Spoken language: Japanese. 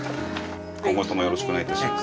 今後ともよろしくお願いいたします。